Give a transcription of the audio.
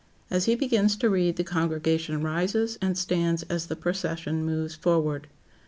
As he begins to read, the congregation rises and stands as the procession moves forward.